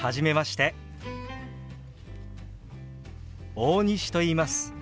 大西といいます。